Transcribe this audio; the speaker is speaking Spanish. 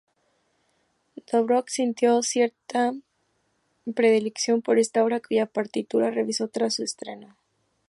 Dvořák sintió siempre cierta predilección por esta obra, cuya partitura revisó tras su estreno.